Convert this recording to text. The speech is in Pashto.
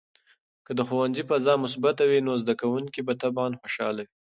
که د ښوونځي فضا مثبته وي، نو زده کوونکي به طبعاً خوشحال وي.